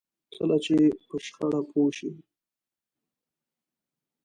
کله چې په شخړه پوه شئ.